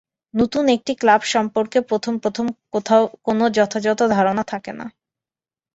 নতুন একটি ক্লাব সম্পর্কে প্রথম প্রথম কোনো যথাযথ ধারণা থাকে না।